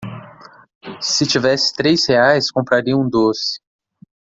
se tivesse três reais compraria um doce